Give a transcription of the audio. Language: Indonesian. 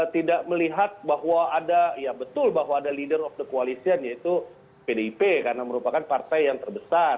tidak melihat bahwa ada ya betul bahwa ada leader of the coalition yaitu pdip karena merupakan partai yang terbesar